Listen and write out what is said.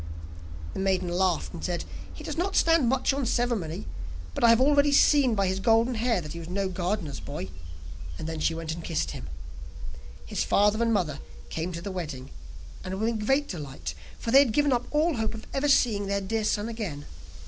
The maiden laughed, and said: 'He does not stand much on ceremony, but I have already seen by his golden hair that he was no gardener's boy,' and then she went and kissed him. His father and mother came to the wedding, and were in great delight, for they had given up all hope of ever seeing their dear son again.